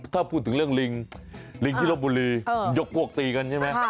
ถ้าพูดถึงเรื่องลิงลิงที่ลบบุรียกพวกตีกันใช่ไหม